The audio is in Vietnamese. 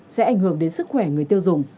sẽ ảnh hưởng đến sức khỏe người tiêu dùng